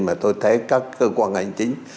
mà tôi thấy các cơ quan hành chính